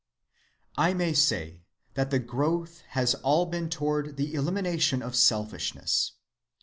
"I may say that the growth has all been toward the elimination of selfishness.